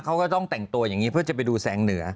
เขาก็ต้องแต่งตัวอย่างนี้เพื่อจะไปดูแสงเหนือ